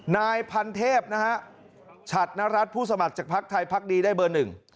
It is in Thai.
นายพันเทพนะฮะฉัดนรัฐผู้สมัครจากพักไทยพักดีได้เบอร์หนึ่ง